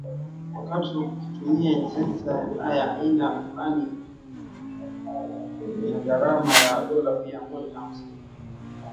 wakati kikitumia sensa ya aina fulani ikiwa na gharama ya dola mia moja hamsini za kimerekani